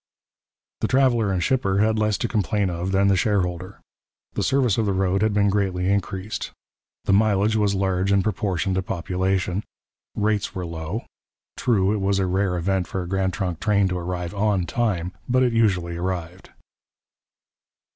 The traveller and shipper had less to complain of than the shareholder. The service of the road had been greatly increased. The mileage was large in proportion to population. Rates were low. True, it was a rare event for a Grand Trunk train to arrive on time, but it usually arrived.